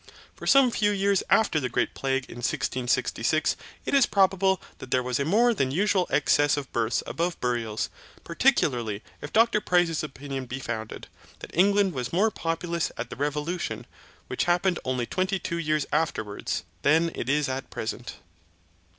For some few years after the great plague in 1666, it is probable that there was a more than usual excess of births above burials, particularly if Dr Price's opinion be founded, that England was more populous at the revolution (which happened only twenty two years afterwards) than it is at present.